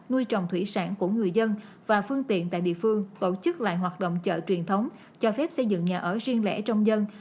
nuôi trồng thủy sản của người dân và phương tiện tại địa phương tổ chức lại hoạt động chợ truyền thống cho phép xây dựng nhà ở riêng lẻ trong dân